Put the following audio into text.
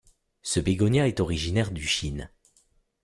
Ce bégonia est originaire du Chine.